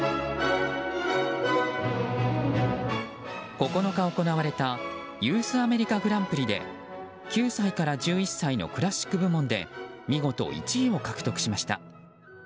９日行われたユース・アメリカ・グランプリで９歳から１１歳のクラシック部門で見事１位を獲得しました。